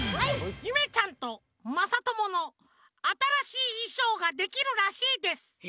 ゆめちゃんとまさとものあたらしいいしょうができるらしいです。